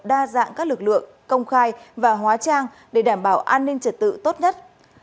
đa dạng các lực lượng công khai và hóa trang để đảm bảo an ninh trật tự tốt nhất